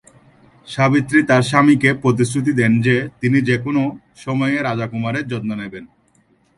সাবিত্রী তার স্বামীকে প্রতিশ্রুতি দেন যে, তিনি যে কোনও সময়ে রাজা কুমারের যত্ন নেবেন।